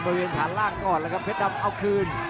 อื้อหือจังหวะขวางแล้วพยายามจะเล่นงานด้วยซอกแต่วงใน